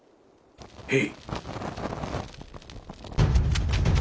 へい。